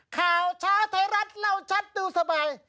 ข่าวเช้าไทยรัฐเล่าชัดดูสบาย